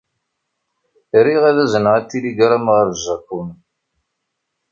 Riɣ ad azneɣ atiligṛam ɣer Japun.